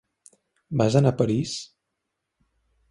Vas anar a París?